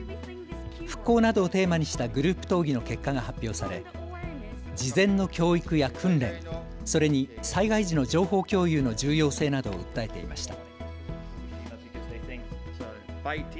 復興などをテーマにしたグループ討議の結果が発表され事前の教育や訓練、それに災害時の情報共有の重要性などを訴えていました。